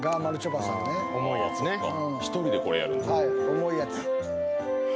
重いやつ。